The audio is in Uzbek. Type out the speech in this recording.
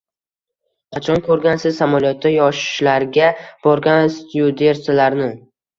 - Qachon ko'rgansiz samolyotda yoshi larga borgan styuardessalarni?!